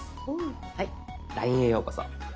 はい「ＬＩＮＥへようこそ」。